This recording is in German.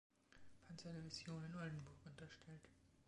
Panzerdivision in Oldenburg unterstellt.